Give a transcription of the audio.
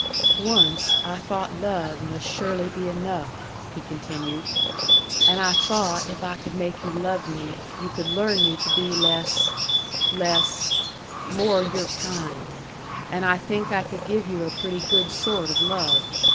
"Once, I thought love must surely be enough," he continued. "And I thought if I could make you love me, you could learn me to be less less more your kind. And I think I could give you a pretty good sort of love.